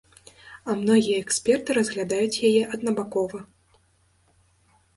А многія эксперты разглядаюць яе аднабакова.